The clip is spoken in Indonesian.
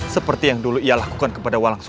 seperti yang dulu ia lakukan kepada walang susu